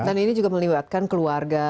dan ini juga melibatkan keluarga